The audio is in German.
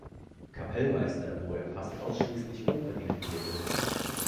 Kapellmeister, wo er fast ausschließlich Oper dirigierte.